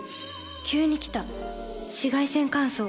急に来た紫外線乾燥。